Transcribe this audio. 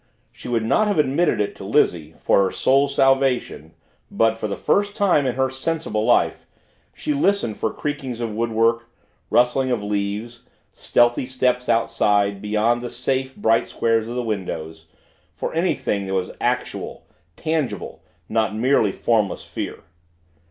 She would not have admitted it to Lizzie, for her soul's salvation but, for the first time in her sensible life, she listened for creakings of woodwork, rustling of leaves, stealthy steps outside, beyond the safe, bright squares of the windows for anything that was actual, tangible, not merely formless fear.